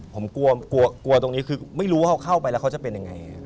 ผมกลัวกลัวตรงนี้คือไม่รู้ว่าเขาเข้าไปแล้วเขาจะเป็นยังไง